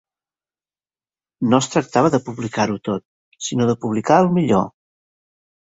No es tractava de publicar-ho tot, sinó de publicar el millor.